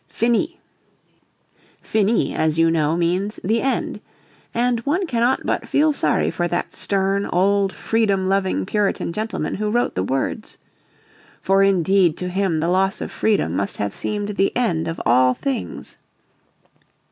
"Finis." "Finis, " as you know, means "the end." And one cannot but feel sorry for that stern, old, freedom loving Puritan gentleman who wrote the words. For indeed to him the loss of freedom must have seemed the end of all things.